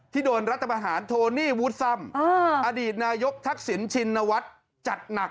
ที่โดนรัฐบาหารโทนี่วูซัมอดีตนายกทักษิณชินวัตรจัดหนัก